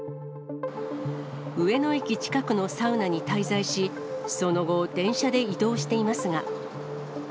上野駅近くのサウナに滞在し、その後、電車で移動していますが。